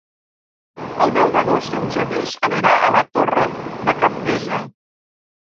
El deu d'agost en Genís anirà a la Torre de Cabdella.